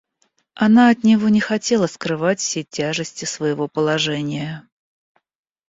Она от него не хотела скрывать всей тяжести своего положения.